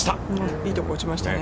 いいところに落ちましたね。